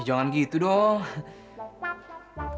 jangan gitu dong